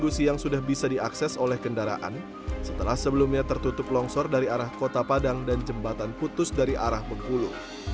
minggu siang sudah bisa diakses oleh kendaraan setelah sebelumnya tertutup longsor dari arah kota padang dan jembatan putus dari arah bengkulu